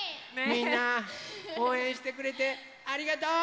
みんなおうえんしてくれてありがとう！